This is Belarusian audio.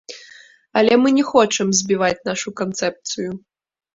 Але мы не хочам збіваць нашу канцэпцыю.